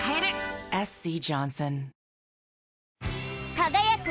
輝く！